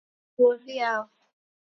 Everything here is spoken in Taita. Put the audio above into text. Kwashoma vuo viao?